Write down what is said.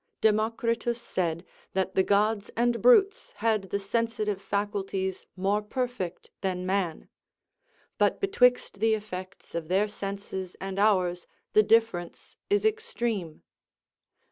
Democritus said, that the gods and brutes had the sensitive faculties more perfect than man. But betwixt the effects of their senses and ours the difference is extreme.